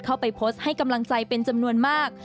เข้าไปโพสต์ให้กำลังใจเป็นจำนวนมาก